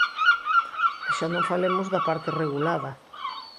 E xa non falemos da parte regulada.